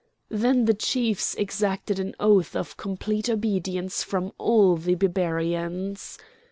Then the chiefs exacted an oath of complete obedience from all the Barbarians.